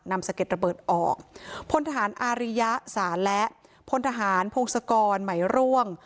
สะเก็ดระเบิดออกพลทหารอาริยะศาลและพลทหารพงศกรไหมร่วง